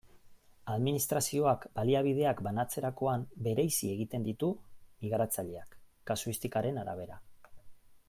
Administrazioak baliabideak banatzerakoan bereizi egiten ditu migratzaileak, kasuistikaren arabera.